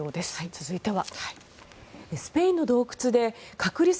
続いては。